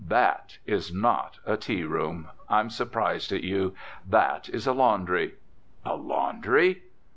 That is not a tea room! I'm 'sprised at you. That is a laundry. A laundry?